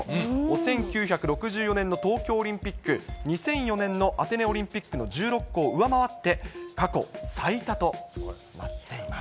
１９６４年の東京オリンピック、２００４年のアテネオリンピックの１６個を上回って、過去最多となっています。